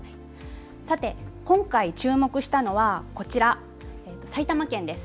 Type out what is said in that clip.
さて今回注目したのはこちら、埼玉県です。